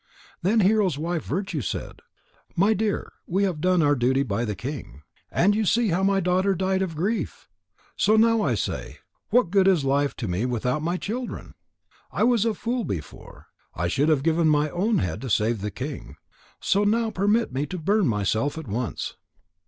Then Hero's wife Virtue said: "My dear, we have done our duty by the king. And you see how my daughter died of grief. So now I say: What good is life to me without my children? I was a fool before. I should have given my own head to save the king. So now permit me to burn myself at once."